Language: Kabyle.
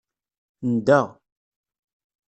Ndda.